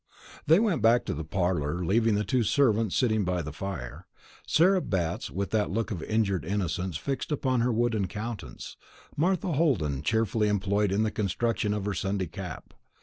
They went back to the parlour, leaving the two servants still sitting by the fire; Sarah Batts with that look of injured innocence fixed upon her wooden countenance, Martha Holden cheerfully employed in the construction of her Sunday cap.